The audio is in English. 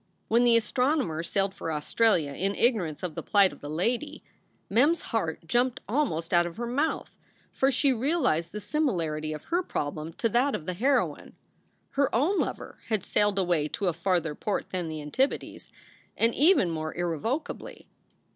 When the astronomer sailed for Australia in ignorance of the plight of the lady, Mem s heart jumped almost out of her mouth, for she realized the similarity of her problem to that of the heroine. Her own lover had sailed away to a farther port than the Antipodes, and even more irrevocably.